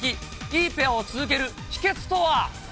いいペアを続ける秘けつとは？